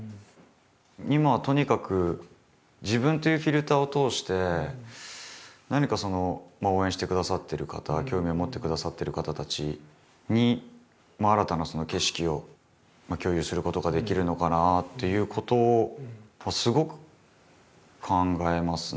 今はとにかく自分というフィルターを通して何か応援してくださってる方興味を持ってくださってる方たちに新たな景色を共有することができるのかなっていうことはすごく考えますね。